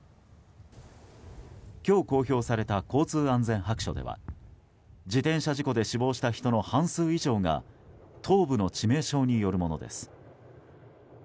今日公表された交通安全白書では自転車事故で死亡した人の半数以上が頭部の致命傷によるものです。